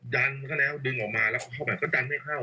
ดันก็แล้วดึงออกมาแล้วก็เข้าไปก็ดันไม่เข้า